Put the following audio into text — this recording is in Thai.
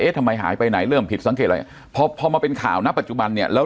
ทำไมหายไปไหนเริ่มผิดสังเกตอะไรพอพอมาเป็นข่าวณปัจจุบันเนี่ยแล้ว